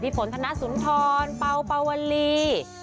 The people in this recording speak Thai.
พี่ฝนธนาศุนธรเป่าเป่าวลี